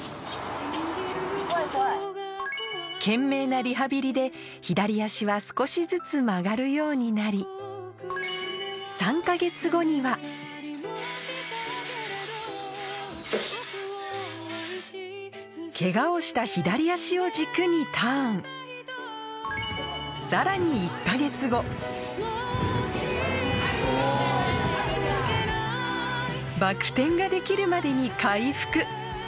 懸命なリハビリで左足は少しずつ曲がるようになり３か月後にはケガをした左足を軸にターンさらに１か月後バック転ができるまでに回復